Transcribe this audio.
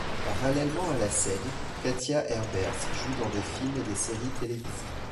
Parallèlement à la scène, Katja Herbers joue dans des films et des séries télévisées.